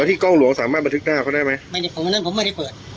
ที่กล้องหลวงสามารถบันทึกหน้าเขาได้ไหมไม่ได้ผมอันนั้นผมไม่ได้เปิด